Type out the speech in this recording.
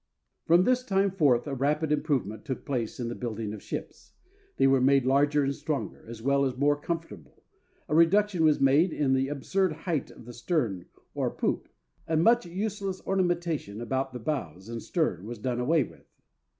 From this time forth a rapid improvement took place in the building of ships. They were made larger and stronger, as well as more comfortable; a reduction was made in the absurd height of the stern, or poop, and much useless ornamentation about the bows and stern was done away with.